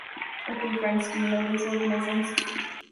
Ok, friends, do you know this organisms?